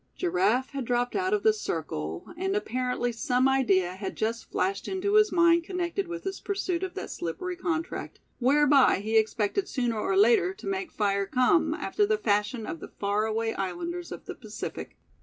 Giraffe had dropped out of the circle, and apparently some idea had just flashed into his mind connected with his pursuit of that slippery contract, whereby he expected sooner or later to make fire come, after the fashion of the far away islanders of the Pacific.